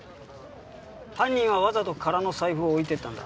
犯人はわざと空の財布を置いていったんだ。